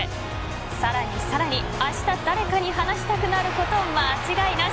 さらにさらに明日誰かに話したくなること間違いなし。